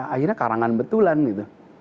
akhirnya karangan betulan gitu